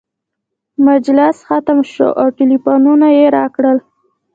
مجلس ختم شو او ټلفونونه یې راکړل.